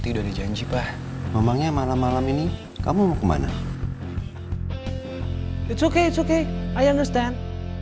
udah ibu jangan khawatir terus dong